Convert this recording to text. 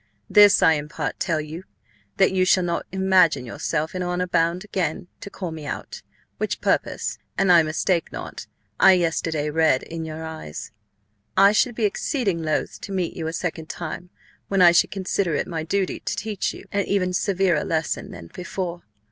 This I in part tell You that You shall not imagine Yr self in Honor bound again to call Me out, which Purpose, an I mistake not, I yesterday read in Yr Eyes. I should be Exceeding loth to meet You a Second Time, when I should consider it my Duty to teach You an even severer Lesson than Before.